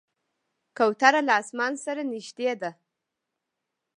کوتره له اسمان سره نږدې ده.